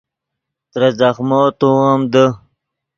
ترے زخمو توغیم دے